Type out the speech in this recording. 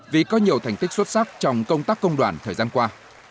vì có nhiều thành tích xuất sắc trong công tác công đoàn thời gian qua